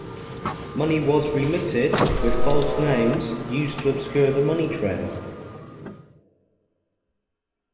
Money was remitted, with false names used to obscure the money trail.